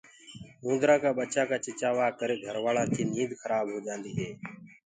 اُوندرآ ڪآ ٻڇآنٚ ڪآ چِڇآوآ ڪي ڪرآ گھروآلآ ڪي نيند کرآ هوجآندي هي۔